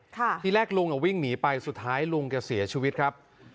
ทีแรกลุงอ่ะวิ่งหนีไปสุดท้ายลุงแกเสียชีวิตครับ